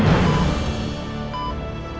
ya allah papa